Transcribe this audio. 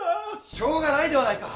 しょうがないではないか。